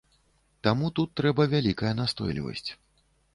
Таму тут трэба вялікая настойлівасць.